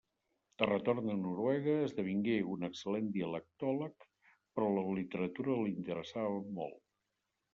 De retorn a Noruega esdevingué un excel·lent dialectòleg, però la literatura li interessava molt.